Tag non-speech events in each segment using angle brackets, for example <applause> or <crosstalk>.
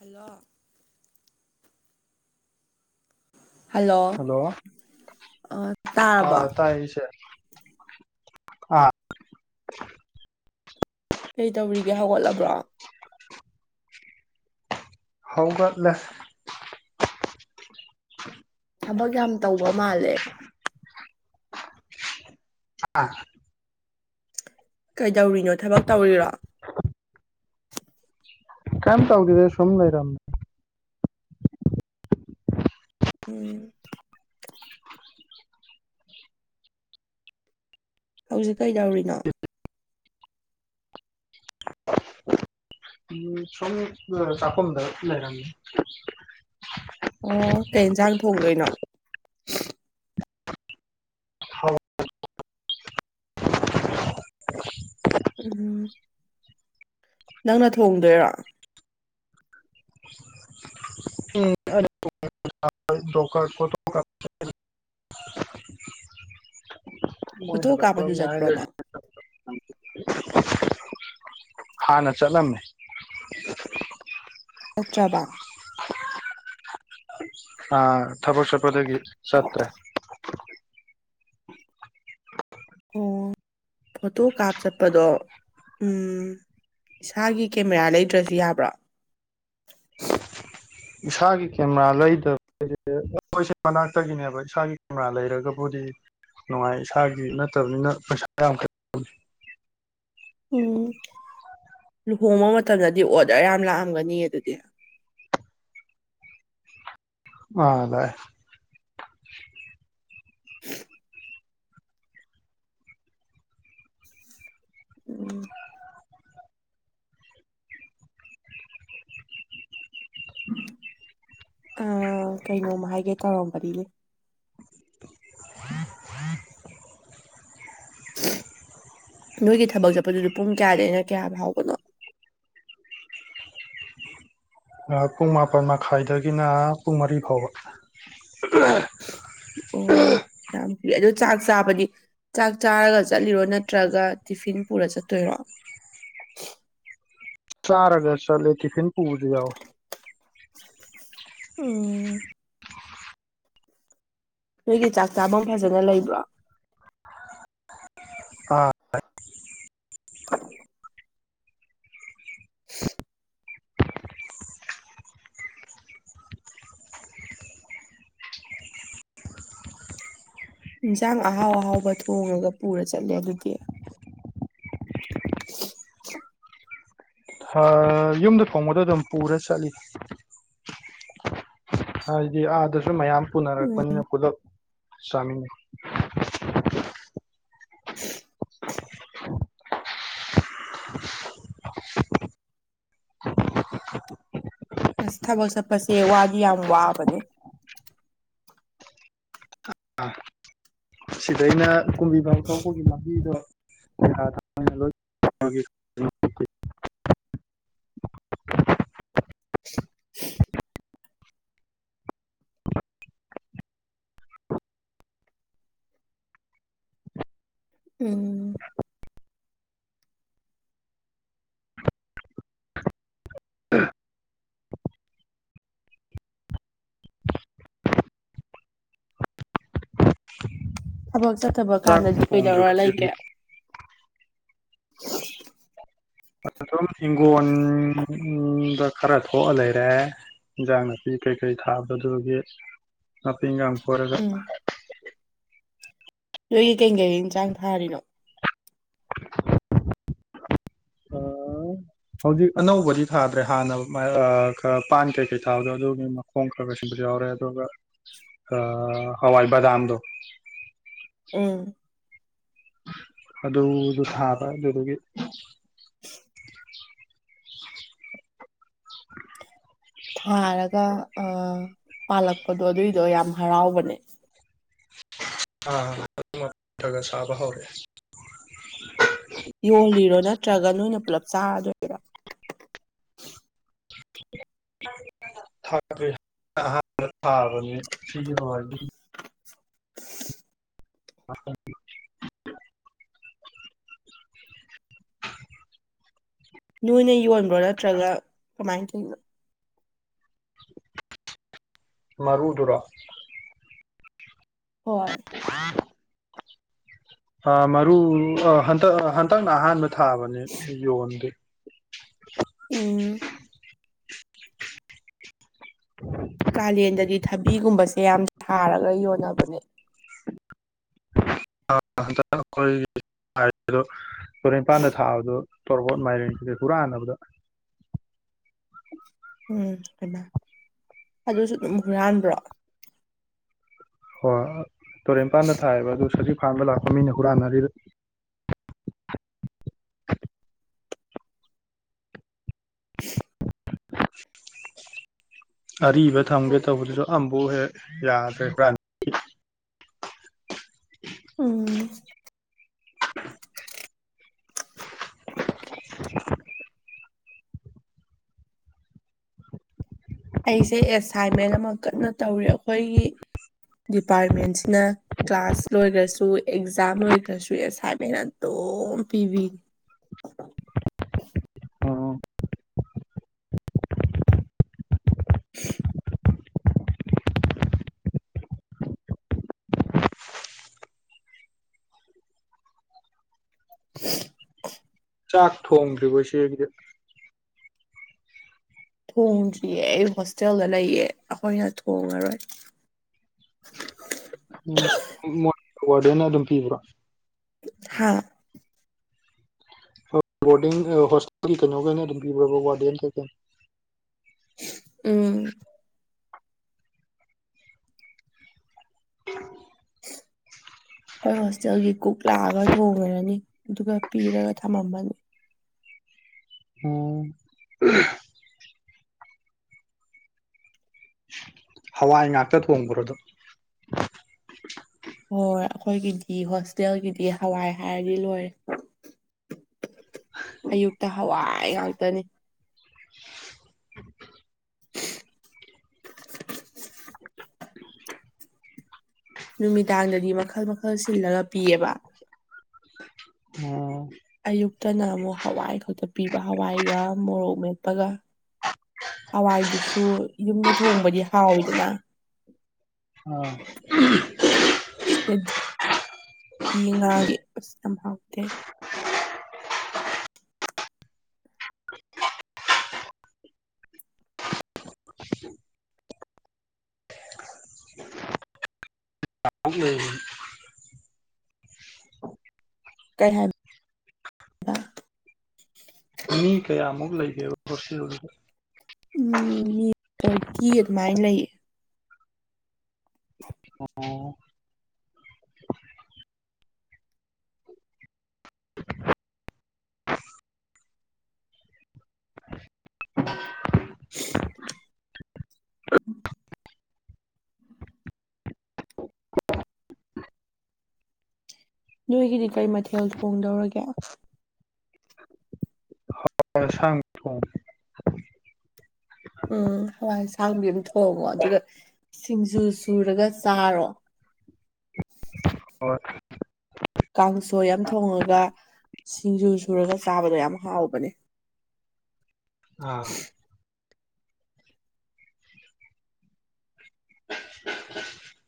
hello hello ꯑꯣ ꯇꯥꯔꯕꯣ ꯇꯥꯏꯁꯦ ꯀꯩ ꯇꯧꯔꯤꯒꯦ ꯍꯧꯒꯠꯂꯕ꯭ꯔꯣ ꯍꯧꯒꯠꯂꯦ <inaudible> ꯊꯕꯛ ꯌꯥꯝ ꯇꯧꯕ ꯃꯥꯜꯂꯦ <unintelligible> ꯀꯩꯗꯧꯔꯤꯅꯣ ꯊꯕꯛ ꯇꯧꯔꯤꯔꯣ ꯀꯩꯝ ꯇꯧꯗꯦꯗ ꯁꯨꯝ ꯂꯩꯔꯝ ꯎꯝ <inaudible> ꯅꯪ ꯍꯨꯖꯤꯛ ꯀꯩꯗꯧꯔꯤꯅꯣ ꯎꯝ ꯁꯨꯝ ꯂ ꯆꯥꯈꯨꯝꯗ ꯂꯩꯔꯝꯃꯤ ꯑꯣ ꯀꯩ ꯏꯟꯖꯥꯡ ꯊꯣꯡꯗꯣꯏꯅꯣ ꯍꯧ ꯎꯝ ꯅꯪꯅ ꯊꯣꯡꯗꯣꯏꯔꯣ <inaudible> <inaudible> ꯃꯣꯏ ꯐꯣꯇꯣ ꯍꯜꯂꯛꯄ ꯀꯥꯞꯄꯖꯨ ꯉꯥꯏ ꯆꯠꯄ꯭ꯔꯣ ꯂꯩ ꯅꯪ ꯍꯥꯟꯅ ꯆꯠꯂꯝꯃꯦ ꯆꯠꯇ꯭ꯔꯕꯥ ꯑꯥ ꯊꯥꯕꯛ ꯆꯠꯄꯗꯒꯤ ꯆꯠꯇ꯭ꯔꯦ ꯑꯣ ꯐꯣꯇꯣ ꯀꯥꯞ ꯆꯠꯄꯗꯣ ꯎꯝ ꯏꯁꯥꯒꯤ ꯀꯦꯃꯦꯔꯥ ꯂꯩꯗ꯭ꯔꯖꯨ ꯌꯥꯕ꯭ꯔꯣ <unintelligible> ꯏꯁꯥꯒꯤ ꯀꯦꯃꯦꯔꯥ ꯂꯩꯗꯕ ꯑꯈꯣꯏꯁꯤ ꯃꯅꯥꯛꯇꯒꯤꯅꯦꯕ ꯏꯁꯥꯒꯤ ꯀꯦꯃꯦꯔꯥ ꯂꯩꯔꯒꯕꯨꯗꯤ ꯅꯨꯡꯉꯥꯏ ꯏꯁꯥꯒꯤ ꯅꯠꯇꯕꯅꯤꯅ ꯄꯩꯁꯥ ꯌꯥꯝ ꯎꯝ ꯂꯨꯍꯣꯡꯕ ꯃꯇꯝꯗꯗꯤ ꯑꯣꯗꯔ ꯌꯥꯝ ꯂꯥꯛꯑꯝꯒꯅꯤꯌꯦ ꯑꯗꯨꯗꯤ ꯃꯥ ꯂꯥꯛꯑꯦ <inaudible> ꯎꯝ <inaudible> ꯑꯥ ꯀꯩꯅꯣꯝ ꯍꯥꯏꯒꯦ ꯇꯧꯔꯝꯕꯅꯤꯅꯦ <inaudible> <inaudible> ꯅꯣꯏꯒꯤ ꯊꯕꯛ ꯆꯠꯄꯗꯨꯖꯨ ꯄꯨꯡ ꯀꯌꯥꯗꯒꯤꯅ ꯀꯌꯥ ꯐꯥꯎꯕꯅꯣ ꯑꯥ ꯄꯨꯡ ꯃꯥꯄꯜ ꯃꯈꯥꯏꯗꯒꯤꯅ ꯄꯨꯡ ꯃꯔꯤ ꯐꯥꯎꯕ <unintelligible> ꯑꯣ ꯌꯥꯝ ꯀꯨꯏ ꯑꯗꯣ ꯆꯥꯛ ꯆꯥꯕꯗꯤ ꯆꯥꯛ ꯆꯥꯔꯒ ꯆꯠꯂꯤꯔꯣ ꯅꯠꯇ꯭ꯔꯥꯒ ꯇꯤꯐꯤꯟ ꯄꯨꯔ ꯆꯠꯇꯣꯏꯔꯣ ꯆꯔꯒ ꯆꯠꯂꯤ ꯇꯤꯐꯤꯟ ꯄꯨꯕꯖꯨ ꯌꯥꯎꯏ ꯎꯝ ꯅꯣꯏꯒꯤ ꯆꯥꯛ ꯆꯥꯚꯝ ꯐꯖꯅ ꯂꯩꯕ꯭ꯔꯣ ꯑꯥ <inaudible> ꯏꯟꯖꯥꯡ ꯑꯍꯥꯎ ꯑꯍꯥꯎꯕ ꯊꯣꯡꯉꯒ ꯄꯨꯔ ꯆꯠꯂꯦ ꯑꯗꯨꯗꯤ ꯍꯥ ꯌꯨꯝꯗ ꯊꯣꯡꯕꯗꯣ ꯑꯗꯨꯝ ꯄꯨꯔ ꯆꯠꯂꯤꯅꯤ ꯍꯥꯏꯗꯤ ꯑꯥꯗꯁꯨ ꯃꯌꯥꯝ ꯎꯝ ꯄꯨꯅꯔꯛꯄꯅꯤꯅ ꯄꯨꯂꯞ ꯆꯥꯃꯤꯟꯅꯩ <unintelligible> ꯑꯁ ꯊꯕꯛ ꯆꯠꯄꯁꯦ ꯋꯥꯗꯤ ꯌꯥꯝ ꯋꯥꯕꯅꯤ ꯁꯤꯗꯩꯅ ꯀꯨꯝꯕꯤ ꯐꯥꯎ ꯊꯣꯛꯄꯒꯤ ꯂꯝꯕꯤꯗꯣ <unintelligible> ꯎꯝ <inaudible> ꯊꯕꯛ ꯆꯠꯇꯕ ꯆꯥꯛ ꯀꯥꯟꯗꯗꯤ ꯀꯩꯗꯧꯔ ꯊꯣꯡꯗ꯭ꯔꯤꯕ ꯏꯆꯦꯗꯤ ꯂꯩꯒꯦ <unintelligible> <unintelligible> ꯈꯔ ꯊꯣꯛꯑ ꯂꯩꯔꯦ ꯏꯟꯖꯥꯡ ꯅꯥꯄꯤ ꯀꯩꯀꯩ ꯊꯥꯕꯗꯣ ꯑꯗꯨꯗꯨꯒꯤ ꯅꯥꯄꯤ ꯏꯉꯥꯡ ꯐꯣꯏꯔꯒ ꯎꯝ ꯅꯣꯏꯒꯤ ꯀꯩ ꯒꯦꯡ ꯏꯟꯖꯥꯡ ꯊꯥꯔꯤꯅꯣ <inaudible> ꯑꯥ ꯍꯧꯖꯤꯛ ꯑꯅꯧꯕꯗꯤ ꯊꯥꯗ꯭ꯔꯦ ꯍꯥꯟꯅ <unintelligible> ꯑꯥ ꯈꯔ ꯄꯥꯟ ꯀꯩ ꯀꯩ ꯊꯥꯕꯗꯣ ꯑꯗꯨꯒꯤ ꯄꯣꯡ ꯈꯔꯥꯒꯥꯁꯤꯕꯁꯨ ꯌꯥꯎꯔꯦ ꯑꯗꯨꯒ ꯑꯥ ꯍꯋꯥꯏ ꯕꯗꯥꯝꯗꯣ ꯎꯝ ꯑꯗꯨꯖꯨ ꯊꯥꯕ ꯑꯗꯨꯗꯨꯒꯤ <inaudible> ꯊꯥꯔꯒ ꯑꯥ ꯄꯥꯜꯂꯛꯄꯗꯣ ꯑꯗꯨꯏꯗꯣ ꯌꯥꯝ ꯍꯔꯥꯎꯕꯅꯦ ꯊꯥꯔꯒ <unintelligible> ꯁꯥꯕ ꯍꯧꯔꯦ ꯌꯣꯜꯂꯤꯔꯣ ꯅꯠꯇ꯭ꯔꯥꯒ ꯅꯣꯏꯅ ꯄꯨꯜꯂꯞ ꯆꯥꯔꯗꯣꯏꯔꯣ <unintelligible> <unintelligible> ꯊꯥꯛꯗ꯭ꯔꯤ ꯑꯍꯥꯟꯕ ꯊꯥꯕꯅꯤ ꯁꯤꯒꯤ ꯑꯣꯏꯗꯤ <unintelligible> ꯅꯣꯏꯅ ꯌꯣꯟꯕ꯭ꯔꯣ ꯅꯠꯇ꯭ꯔꯥꯒ ꯀꯃꯥꯏꯟ ꯇꯩꯅꯣ ꯃꯔꯨꯗꯨꯔꯣ ꯍꯣꯏ ꯎꯥ ꯃꯥꯔꯨ ꯔꯣ ꯍꯟꯇꯛ ꯑꯥ ꯍꯟꯇꯛꯅ ꯑꯍꯥꯟꯕ ꯊꯥꯕꯅꯤ ꯌꯣꯟꯗꯦ ꯎꯝ <unintelligible> ꯀꯥꯂꯦꯟꯗꯗꯤ ꯊꯕꯤꯒꯨꯝꯕꯁꯦ ꯌꯥꯝ ꯊꯥꯔꯒ ꯌꯣꯟꯅꯕꯅꯦ <unintelligible> ꯇꯨꯔꯦꯟ ꯄꯥꯟꯗ ꯊꯥꯕꯗꯨ ꯇꯣꯔꯕꯣꯠ ꯃꯥꯏꯔꯦꯟ ꯁꯤꯡꯖꯦ ꯍꯨꯔꯥꯟꯅꯕꯗ ꯎꯝ ꯀꯅꯥ ꯑꯗꯨꯁꯨ ꯑꯗꯨꯝ ꯍꯨꯔꯥꯟꯕ꯭ꯔꯣ ꯍꯣꯏ ꯇꯣꯔꯦꯟ ꯄꯥꯟꯗ ꯊꯥꯏꯌꯦꯕ ꯑꯗꯨ ꯁꯖꯤꯛ ꯐꯥꯟꯕ ꯂꯥꯛꯄ ꯃꯤꯅ ꯍꯨꯔꯥꯟꯅꯔꯤꯔ <unintelligible> ꯑꯔꯤꯕ ꯊꯝꯒꯦ ꯇꯧꯕꯗꯨꯁꯨ ꯑꯝꯕꯧ ꯍꯦꯛ ꯌꯥꯗ꯭ꯔꯦ ꯍꯨꯔꯥꯟ ꯎꯝ <unintelligible> ꯑꯩꯁꯦ ꯑꯦꯁꯥꯏꯟꯃꯦꯟ ꯑꯃ ꯀꯟꯅ ꯇꯧꯔꯤ ꯑꯈꯣꯏꯒꯤ ꯗꯤꯄꯥꯔꯠꯃꯦꯟꯁꯅ ꯀ꯭ꯂꯥꯁ ꯂꯣꯏꯒ꯭ꯔꯁꯨ ꯑꯦꯛꯖꯥꯝ ꯂꯣꯏꯈ꯭ꯔꯁꯨ ꯑꯦꯁꯥꯏꯟꯃꯦꯟ ꯑꯗꯨꯝ ꯄꯤꯕꯤ <unintelligible> ꯎꯝ <unintelligible> <unintelligible> ꯆꯥꯛ ꯊꯣꯡꯗ꯭ꯔꯤꯕꯣ ꯏꯆꯦ ꯑꯗꯨꯗꯤ ꯊꯣꯡꯗ꯭ꯔꯤꯌꯦ ꯑꯩ ꯍꯣꯁꯇꯦꯜꯗ ꯂꯩꯌꯦ ꯑꯈꯣꯏꯅ ꯊꯣꯡꯉꯔꯣꯏ ꯎꯝ ꯃꯣꯏ ꯋꯥꯔꯗꯦꯟꯅ ꯑꯗꯨꯝ ꯄꯤꯕ꯭ꯔꯣ ꯍꯥꯥ ꯍꯣ ꯕꯣꯔꯗꯤꯡ ꯍꯣ ꯍꯣꯁꯇꯦꯜ ꯀꯩꯅꯣꯒꯩꯅ ꯑꯗꯨꯝ ꯄꯤꯕ꯭ꯔꯥꯕ ꯋꯥꯔꯗꯦꯟ ꯀꯩꯀꯩ ꯎꯝ <unintelligible> ꯑꯩꯈꯣꯏ ꯍꯣꯁꯇꯦꯜꯒꯤ ꯀꯨꯛ ꯂꯥꯛꯑꯒ ꯊꯣꯡꯉꯔꯅꯤ ꯑꯗꯨꯒ ꯄꯤꯔꯒ ꯊꯝꯃꯝꯃꯅꯤ ꯑꯣ ꯍꯋꯥꯏ ꯉꯥꯛꯇ ꯊꯣꯡꯕ꯭ꯔꯣ ꯗꯣ ꯍꯣꯏ ꯑꯈꯣꯏꯒꯤꯗꯤ ꯍꯣꯁꯇꯦꯜꯒꯤꯗꯤ ꯍꯋꯥꯏ ꯍꯥꯏꯔꯗꯤ ꯂꯣꯏꯔꯦ ꯑꯌꯨꯛꯇ ꯍꯋꯥꯏ ꯉꯥꯛꯇꯅꯤ ꯅꯨꯃꯤꯗꯥꯡꯗꯗꯤ ꯃꯈꯜ ꯃꯈꯜ ꯁꯤꯜꯂꯒ ꯄꯤꯌꯦꯕ ꯑꯣ ꯑꯌꯨꯛꯇꯅ ꯑꯃꯨꯛ ꯍꯋꯥꯏ ꯈꯛꯇ ꯄꯤꯕ ꯍꯋꯥꯏꯒ ꯃꯣꯔꯣꯛ ꯃꯦꯠꯄꯒ ꯍꯋꯥꯏꯗꯨꯁꯨ ꯌꯨꯝꯗ ꯊꯣꯡꯕꯗꯤ ꯍꯥꯎꯋꯤꯗꯅ ꯑꯥ <unintelligible> ꯗꯤ ꯉꯥꯒꯤ ꯑꯁ ꯌꯥꯝ ꯍꯥꯎꯇꯦ <unintelligible> ꯀꯩ ꯍꯥꯏꯞ ꯃꯤ ꯀꯌꯥꯃꯨꯛ ꯂꯩꯒꯦꯕ ꯍꯣꯁꯇꯣꯜꯗꯨꯗ ꯎꯝ ꯃꯤ ꯐꯣꯔꯇꯤ ꯑꯗꯨꯃꯥꯏꯟ ꯂꯩꯌꯦ ꯑꯣ ꯅꯣꯏꯒꯤꯗꯤ ꯀꯩ ꯃꯊꯦꯜ ꯊꯣꯡꯗꯧꯔꯒꯦ ꯑꯦꯟꯁꯥꯡ ꯊꯣꯡꯗꯦ ꯎꯝ ꯍꯋꯥꯏ ꯑꯁꯥꯡꯕꯤ ꯑꯝ ꯊꯣꯡꯉꯣ ꯑꯗꯨꯒ ꯁꯤꯡꯖꯨ ꯁꯨꯔꯒ ꯆꯥꯔꯣ ꯍꯣꯏ ꯀꯥꯡꯁꯣꯏ ꯑꯝ ꯊꯣꯡꯉꯒ ꯁꯤꯡꯖꯨ ꯁꯨꯔꯒ ꯆꯥꯕꯗꯣ ꯌꯥꯝ ꯍꯥꯎꯕꯅꯦ ꯑꯥ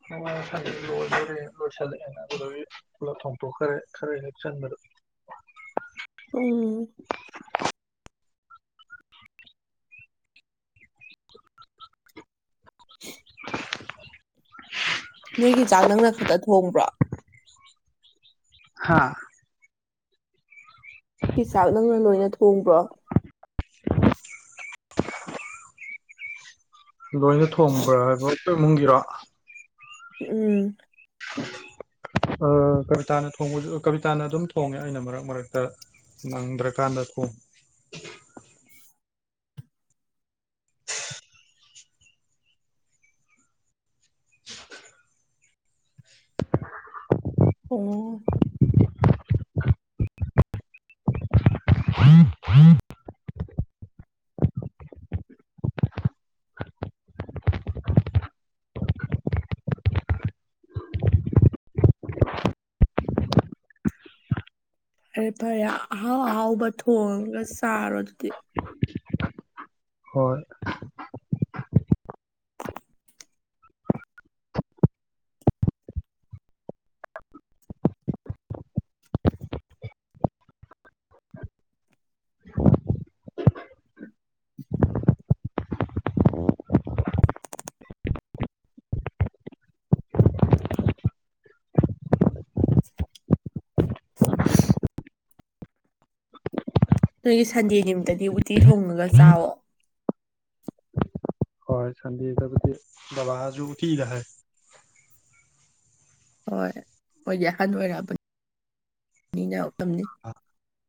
<unintelligible> ꯂꯣꯏꯁꯜꯂꯛꯑꯦꯅꯥ ꯑꯗꯨꯒ ꯍꯧꯖꯤꯛ ꯄꯨꯂꯞ ꯊꯣꯡꯊꯣꯛꯈ꯭ꯔꯦ ꯈꯔ <unintelligible> ꯎꯝ ꯅꯣꯏꯒꯤ ꯆꯥꯛ ꯅꯪꯅ ꯈꯛꯇ ꯊꯣꯡꯕ꯭ꯔꯣ ꯍꯥꯥ <unintelligible> ꯆꯥꯛ ꯅꯪꯅ ꯂꯣꯏꯅ ꯊꯣꯡꯕ꯭ꯔꯣ ꯂꯣꯏꯅ ꯊꯣꯡꯕ꯭ꯔꯥ ꯍꯥꯏꯕ ꯑꯩꯈꯣꯏ ꯏꯃꯨꯡꯒꯤꯔꯣ ꯎꯝ ꯑ ꯀꯕꯤꯇꯥꯅ ꯊꯣꯡꯕꯖꯨ ꯀꯕꯤꯇꯥꯅ ꯑꯗꯨꯝ ꯊꯣꯡꯉꯦ ꯑꯩꯅ ꯃꯔꯛ ꯃꯔꯛꯇ ꯅꯪꯗ꯭ꯔꯀꯥꯟꯗ ꯊꯣꯡ ꯑꯣ ꯐꯔꯦ ꯐꯔꯦ ꯑꯍꯥꯎ ꯑꯍꯥꯎꯕ ꯊꯣꯡꯉꯒ ꯆꯥꯔꯣ ꯑꯗꯨꯗꯤ ꯍꯣꯏ ꯅꯣꯏꯒꯤ ꯁꯟꯗꯦ ꯅꯨꯃꯤꯠꯇꯗꯤ ꯎꯇꯤ ꯊꯣꯡꯉꯒ ꯆꯥꯎꯋꯣ ꯍꯣꯏ ꯁꯟꯗꯦꯗꯕꯨꯗꯤ ꯕꯕꯥꯖꯨ ꯎꯇꯤꯗꯥ ꯍꯥꯏ ꯍꯣꯏ ꯃꯣꯏꯗꯤ ꯑꯍꯟ ꯑꯣꯏꯔꯛꯑꯕꯅꯤꯅ <unintelligible> <unintelligible>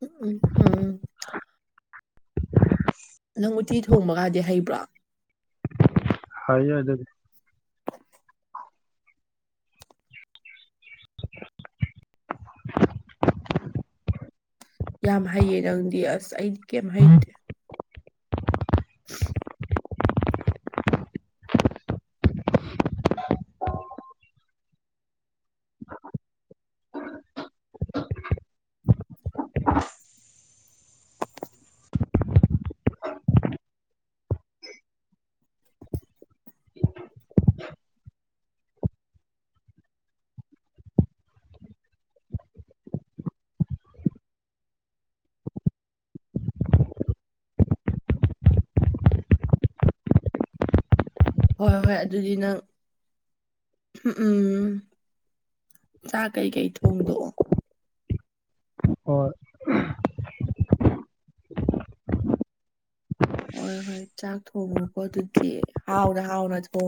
<unintelligible> ꯎꯝ ꯅꯪ ꯎꯇꯤ ꯊꯣꯡꯕꯒꯗꯤ ꯍꯩꯕ꯭ꯔꯣ ꯐꯩꯅꯥ ꯑꯗꯨꯗꯤ ꯌꯥꯝ ꯍꯩꯌꯦ ꯅꯪꯗꯤ ꯑꯁ ꯑꯩꯗꯤ ꯀꯩꯝ ꯍꯩꯇꯦ <unintelligible> ꯍꯣꯏ ꯍꯣꯏ ꯑꯗꯨꯗꯤ ꯅꯪ ꯎꯝ ꯎꯝ ꯆꯥꯛ ꯀꯩꯀꯩ ꯊꯣꯡꯗꯣꯛꯑꯣ ꯍꯣꯏ ꯍꯣꯏ ꯍꯣꯏ ꯆꯥꯛ ꯊꯣꯡꯉꯣꯀꯣ ꯑꯗꯨꯗꯤ ꯍꯥꯎꯅ ꯍꯥꯎꯅ ꯊꯣꯡ